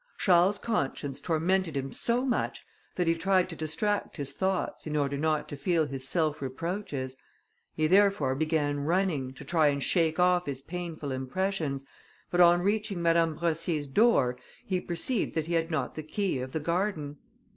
Charles's conscience tormented him so much, that he tried to distract his thoughts, in order not to feel his self reproaches. He therefore began running, to try and shake off his painful impressions, but on reaching Madame Brossier's door, he perceived that he had not the key of the garden.